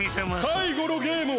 最後のゲームは。